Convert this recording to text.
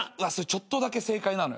ちょっとだけ正解なのよ。